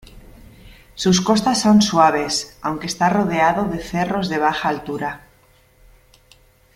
Sus costas son suaves, aunque está rodeado de cerros de baja altura.